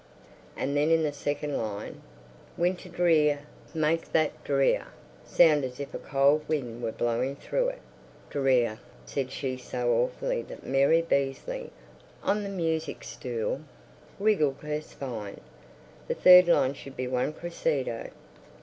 And then in the second line, Winter Drear, make that Drear sound as if a cold wind were blowing through it. Dre ear!" said she so awfully that Mary Beazley, on the music stool, wriggled her spine. "The third line should be one crescendo.